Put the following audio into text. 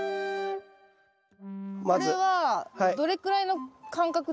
これはどれくらいの間隔で。